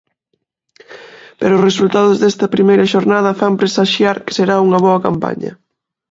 Pero os resultados desta primeira xornada fan presaxiar que será unha boa campaña.